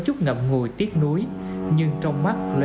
chút ngậm ngùi tiếc nuối nhưng trong mắt lué lên niềm tự hào